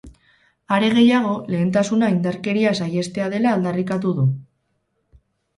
Are gehiago, lehentasuna indarkeria saihestea dela aldarrikatu du.